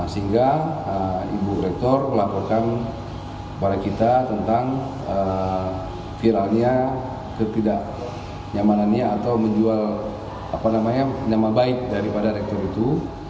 sehingga ibu rektor melaporkan kepada kita tentang viralnya ketidaknyamanannya atau menjual nama baik daripada rektor itu